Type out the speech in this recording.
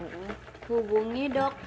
heh geh nusuk